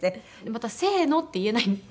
また「せーの」って言えないので。